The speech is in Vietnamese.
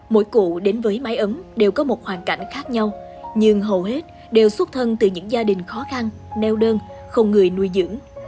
mỗi cụ đến với mái ấm đều có một hoàn cảnh khác nhau nhưng hầu hết đều xuất thân từ những gia đình khó khăn neo đơn không người nuôi dưỡng